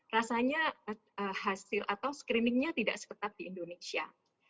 rasanya hasil atau screeningnya tidak seketat di indonesia